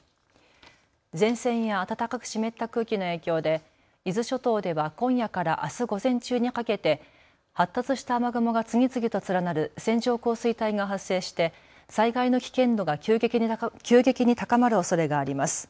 前線や暖かく湿った空気の影響で伊豆諸島では今夜からあす午前中にかけて発達した雨雲が次々と連なる線状降水帯が発生して災害の危険度が急激に高まるおそれがあります。